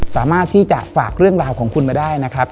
สามารถที่จะฝากเรื่องราวของคุณมาได้นะครับ